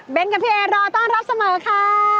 เป็นกับพี่เอรอต้อนรับเสมอค่ะ